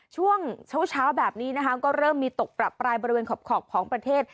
ช่วงเช้าแบบนี้นะคะก็เริ่มมีตกประปรายบริเวณขอบของประเทศ